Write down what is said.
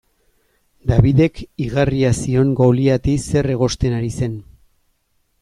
Davidek igarria zion Goliati zer egosten ari zen.